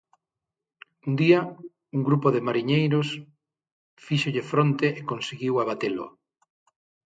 Un día, un grupo de mariñeiros fíxolle fronte e conseguiu abatelo.